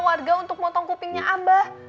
warga untuk motong kupingnya abah